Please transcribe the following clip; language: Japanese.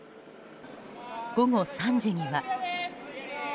午後３時には。